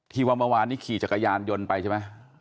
ว่าเมื่อวานนี้ขี่จักรยานยนต์ไปใช่ไหม